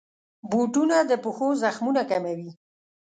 بوټونه د پښو زخمونه کموي.